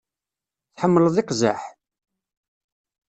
Tḥemmleḍ iqzaḥ?